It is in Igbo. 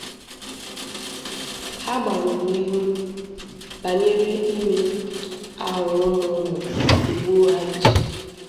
Ha gbarụrụ ihu banyere ime 'a họrọ ụmụ-ụmụ e gbuo ha ichi